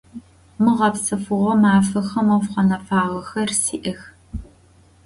Мы гъэпсэфыгъо мафэхэм ӏоф гъэнэфагъэхэр сиӏэх.